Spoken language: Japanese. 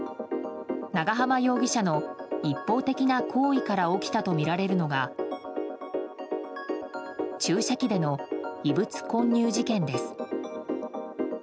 長浜容疑者の一方的な好意から起きたとみられるのが注射器での異物混入事件です。